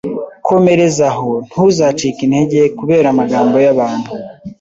Komereza aho ntuzacike intege kubera amagambo y'abantu